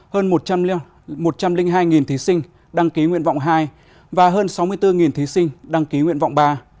hơn một trăm linh hai thí sinh đăng ký nguyện vọng hai và hơn sáu mươi bốn thí sinh đăng ký nguyện vọng ba